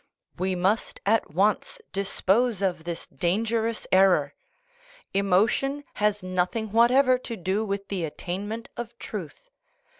We must at once dis pose of this dangerous error. Emotion has nothing whatever to do with the attainment of truth.